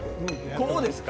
こうですか？